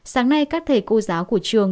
sáng nay các thầy cô giáo của trường